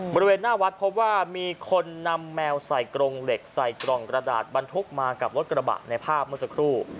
บริเวณหน้าวัดพบว่ามีคนนำแมวใส่กรงเหล็กใส่กล่องกระดาษบรรทุกมากับรถกระบะในภาพเมื่อสักครู่